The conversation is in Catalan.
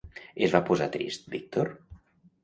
Es va posar trist Víctor?